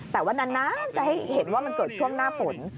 แต่ว่านานจะให้เห็นว่ามันเกิดช่วงหน้าฝน